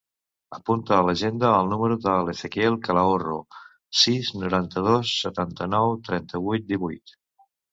Apunta a l'agenda el número de l'Ezequiel Calahorro: sis, noranta-dos, setanta-nou, trenta-vuit, divuit.